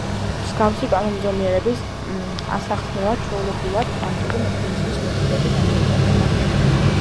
მსგავსი კანონზომიერების ასახსნელად ჩვეულებრივად კვანტური მექანიზმის მეთოდები გამოიყენება.